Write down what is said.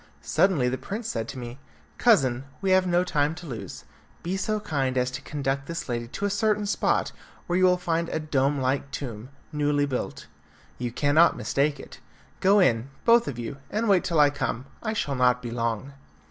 Suddenly the prince said to me, "Cousin, we have no time to lose; be so kind as to conduct this lady to a certain spot, where you will find a dome like tomb, newly built. You cannot mistake it. Go in, both of you, and wait till I come. I shall not be long."